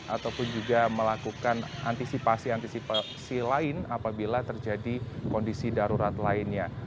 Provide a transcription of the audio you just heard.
ataupun juga melakukan antisipasi antisipasi lain apabila terjadi kondisi darurat lainnya